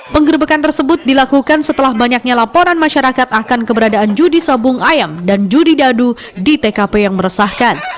penggerbekan tersebut dilakukan setelah banyaknya laporan masyarakat akan keberadaan judi sabung ayam dan judi dadu di tkp yang meresahkan